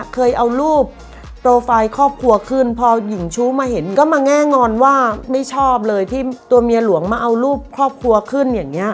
เคยเอารูปโปรไฟล์ครอบครัวขึ้นพอหญิงชู้มาเห็นก็มาแง่งอนว่าไม่ชอบเลยที่ตัวเมียหลวงมาเอารูปครอบครัวขึ้นอย่างนี้